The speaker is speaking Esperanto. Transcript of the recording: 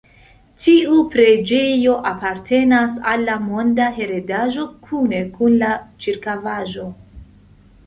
Tiu preĝejo apartenas al la Monda Heredaĵo kune kun la ĉirkaŭaĵo.